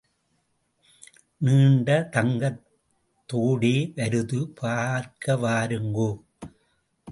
நீண்ட தங்தத் தோடே வருது பார்க்க வாருங்கோ.